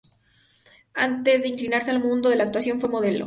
Antes de inclinarse al mundo de la actuación fue modelo.